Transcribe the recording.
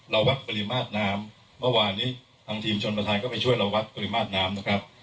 วัดปริมาตรน้ำเมื่อวานนี้ทางทีมชนประธานก็ไปช่วยเราวัดปริมาตรน้ำนะครับ